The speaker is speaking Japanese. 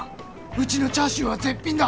うちのチャーシューは絶品だ。